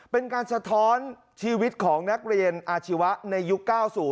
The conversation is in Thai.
เป็นการสะท้อนชีวิตของนักเรียนอาชีวะในยุค๙๐